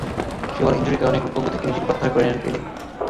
সেবার ইনজুরির কারণে গ্রুপ পর্ব থেকেই নিজেকে প্রত্যাহার করে নেন পেলে।